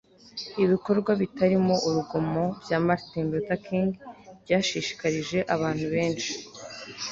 ibikorwa bitarimo urugomo bya martin luther king byashishikarije abantu benshi